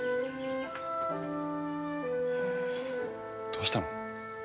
どうしたの？